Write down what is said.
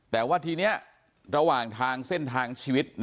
แต่ว่าทีนี้ระหว่างทางเส้นทางชีวิต